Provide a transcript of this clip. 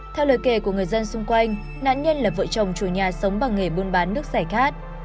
theo lời kể của người dân xung quanh nạn nhân là vợ chồng chủ nhà sống bằng nghề buôn bán nước giải khát